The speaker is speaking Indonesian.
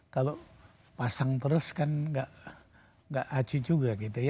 kalau pasang terus kan nggak acu juga gitu ya